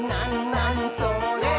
なにそれ？」